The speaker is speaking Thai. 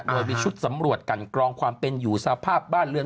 โดยมีชุดสำรวจกันกรองความเป็นอยู่สภาพบ้านเรือน